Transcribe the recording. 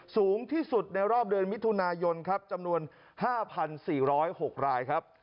สูงที่สุดในรอบเดือนมิถุนายนครับจำนวน๕๔๐๖รายครับ